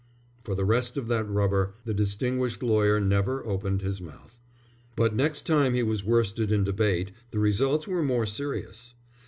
For the rest of that rubber the distinguished lawyer never opened his mouth. But next time he was worsted in debate the results were more serious.